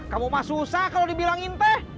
kamu mak susah kalo dibilang intih